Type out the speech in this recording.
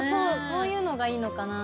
そういうのがいいのかな。